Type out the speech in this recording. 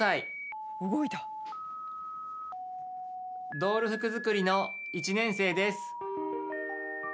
ドール服作りの１年生です。